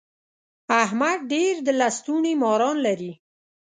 احمد ډېر د لستوڼي ماران لري.